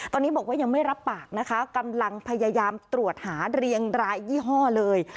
ตอนนี้บอกว่ายังไม่รับปากนะคะกำลังพยายามตรวจหาเรียงรายยี่ห้อเลย